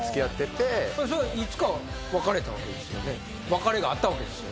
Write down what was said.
別れがあったわけですよね？